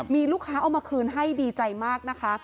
มีลูกค้าเอามาคืนให้ดีใจมากนะคะ